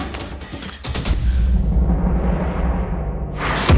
malin jangan lupa